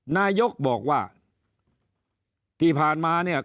นายกบอกว่าที่ผ่านมาเนี่ย